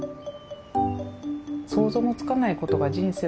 「想像もつかないことが人生は起きる。